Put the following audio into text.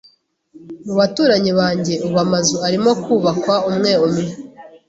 Mu baturanyi banjye, ubu amazu arimo kubakwa umwe umwe.